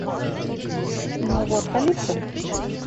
– Но вот калитка.